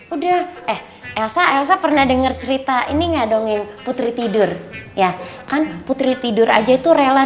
udah eh elsa elsa pernah dengar cerita ini enggak dongeng putri tidur ya kan putri tidur aja itu rela